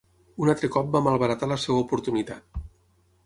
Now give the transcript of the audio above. Un altre cop va malbaratar la seva oportunitat.